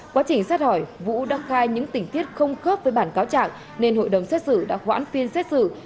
quá trình xét hỏi vũ đăng cai những tình tiết không khớp với bản cáo trạng nên hội đồng xét xử đã hoãn phiên xét xử